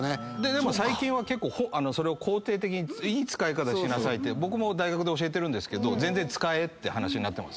でも最近は結構それを肯定的にいい使い方しなさいって僕も大学で教えてるんですけど全然使えって話になってます。